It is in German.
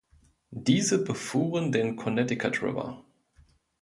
Diese befuhren den Connecticut River.